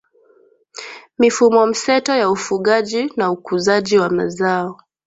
mifumomseto ya ufugaji na ukuzaji wa mazao